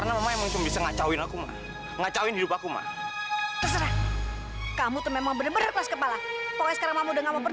sampai jumpa di video selanjutnya